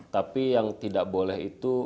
tapi yang tidak boleh itu